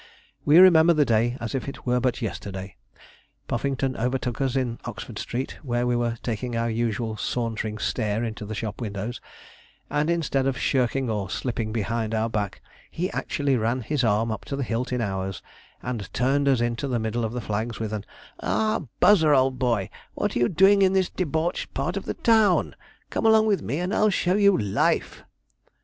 We remember the day as if it were but yesterday; Puffington overtook us in Oxford Street, where we were taking our usual sauntering stare into the shop windows, and instead of shirking or slipping behind our back, he actually ran his arm up to the hilt in ours, and turned us into the middle of the flags, with an 'Ah, Buzzer, old boy, what are you doing in this debauched part of the town? Come along with me, and I'll show you Life!'